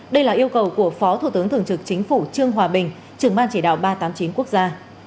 đây là yêu cầu của phó thủ tướng thường trực chính phủ trương hòa bình trưởng ban chỉ đạo ba trăm tám mươi chín quốc gia